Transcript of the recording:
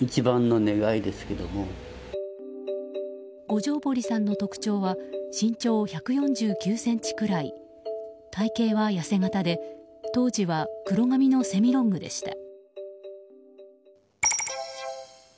五條堀さんの特徴は身長１４９ｃｍくらい体系は痩せ形で当時は黒髪のセミロングでした。